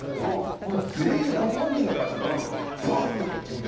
ほんなら全員何万人の観衆がバッてこっち見て。